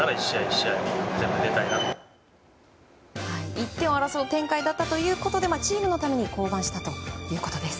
１点を争う展開だったということでチームのために降板したということです。